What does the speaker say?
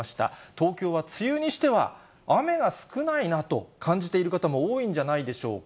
東京は梅雨にしては雨が少ないなと感じている方も多いんじゃないでしょうか。